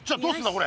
これ。